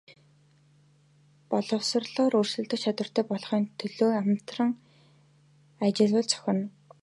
Боловсролоороо өрсөлдөх чадвартай болгохын төлөө хамтран ажиллавал зохино.